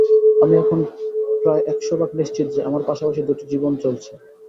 আমি এখন প্রায় এক শ ভাগ নিশ্চিত যে, আমার পাশাপাশি দুটি জীবন চলছে।